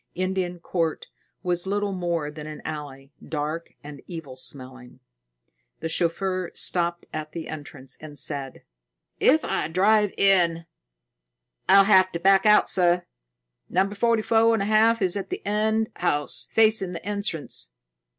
Indian Court was little more than an alley, dark and evil smelling. The chauffeur stopped at the entrance and said: "If I drive in, I'll have to back out, sir. Number forty four and a half is the end house, facing the entrance."